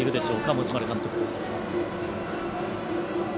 持丸監督。